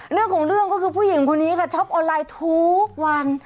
เรื่องของเรื่องก็คือผู้หญิงคนนี้ค่ะช็อปออนไลน์ทุกวัน